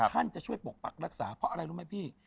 ท่านจะช่วยปกปักรักษาเพราะอะไรรู้ไหมพี่